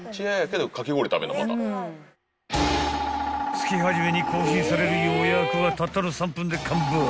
［月初めに更新される予約はたったの３分で完売］